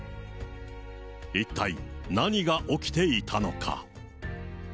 一体何が起きていたのか？